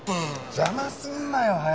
邪魔すんなよ林！